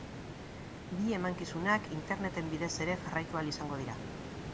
Bi emankizunak internet bidez ere jarraitu ahal izango dira.